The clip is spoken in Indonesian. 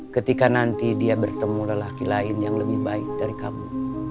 ketika nanti dia bertemu lelaki lain yang lebih baik dari kamu